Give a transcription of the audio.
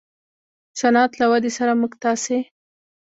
د صنعت له ودې سره موږ تاسې